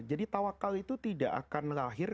jadi tawakal itu tidak akan lahir